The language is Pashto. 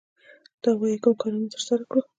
دا وايي کوم کارونه ترسره کړو.